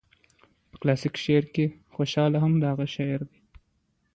په کلاسيکه شاعرۍ کې خوشال هغه شاعر دى